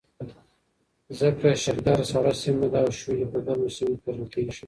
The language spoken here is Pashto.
ځکه شلګر سړه سیمه ده او شولې په ګرمو سیمو کې کرلې کېږي.